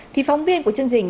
thì phóng viên của chương trình